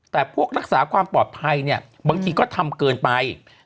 สถานการณ์ปลอดภัยเนี่ยบางทีก็ทำเกินไป